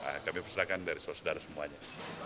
nah kami persilakan dari sosial sosial semuanya